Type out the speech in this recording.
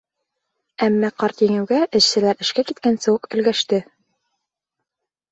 Әммә ҡарт еңеүгә эшселәр эшкә киткәнсе үк өлгәште.